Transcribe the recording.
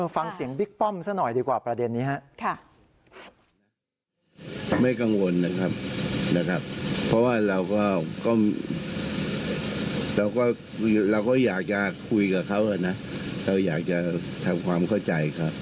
ฟังเสียงบิ๊กป้อมซะหน่อยดีกว่าประเด็นนี้ครับ